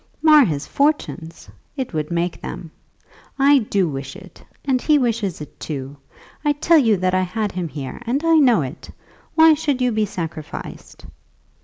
"Mar his fortunes! It would make them. I do wish it, and he wishes it too. I tell you that I had him here, and I know it. Why should you be sacrificed?"